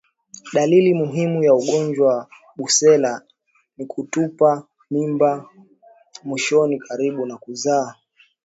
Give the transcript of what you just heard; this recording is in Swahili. Dalili muhimu ya ugonjwa wa Brusela ni kutupa mimba mwishoni karibu na kuzaa